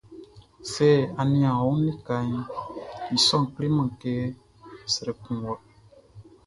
Sɛ a nian ɔ wun likaʼn, i sɔʼn kleman kɛ srɛ kun wɔ.